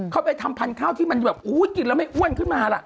เขาไปทำพันธุ์ข้าวที่มันแบบกินแล้วไม่อ้วนขึ้นมาล่ะ